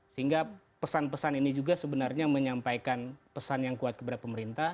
sehingga pesan pesan ini juga sebenarnya menyampaikan pesan yang kuat kepada pemerintah